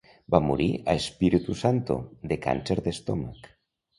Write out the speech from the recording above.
Va morir a Espiritu Santo de càncer d'estómac.